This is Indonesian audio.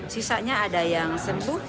sisanya ada yang sembuh